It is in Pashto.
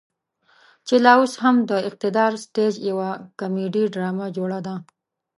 چې لا اوس هم د اقتدار سټيج يوه کميډي ډرامه جوړه ده.